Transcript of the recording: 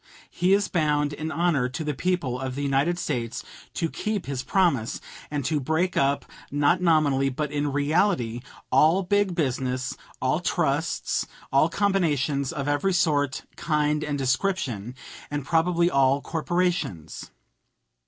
He is bound in honor to the people of the United States to keep his promise, and to break up, not nominally but in reality, all big business, all trusts, all combinations of every sort, kind, and description, and probably all corporations.